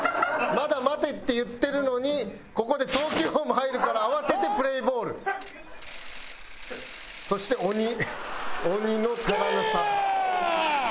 「“まだ待て”って言ってるのにここで投球フォーム入るから慌てて“プレーボール”」「そして鬼鬼のくだらなさ」